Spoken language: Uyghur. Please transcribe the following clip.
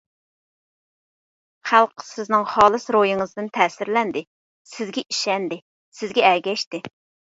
خەلق سىزنىڭ خالىس روھىڭىزدىن تەسىرلەندى، سىزگە ئىشەندى، سىزگە ئەگەشتى.